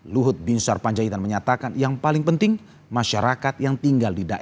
luhut binsar panjaitan menyebutkan